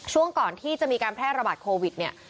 ช่วงก่อนที่จะมีการแพร่ระบาดโควิดเนี่ย